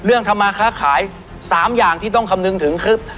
เรื่องธรรมาค้าขาย๓อย่างที่ต้องคำนึงถึงคือ